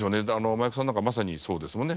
舞妓さんなんかまさにそうですもんね。